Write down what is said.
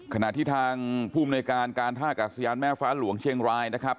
ขณะที่ทางภูมิในการการท่ากาศยานแม่ฟ้าหลวงเชียงรายนะครับ